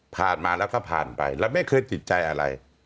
มาแล้วก็ผ่านไปแล้วไม่เคยติดใจอะไร